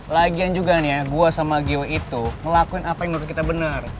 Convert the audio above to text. lagian juga nih ya gua sama gio itu ngelakuin apa yang menurut kita benar